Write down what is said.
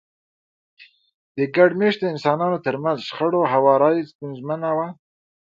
د ګډ مېشته انسانانو ترمنځ شخړو هواری ستونزمنه وه.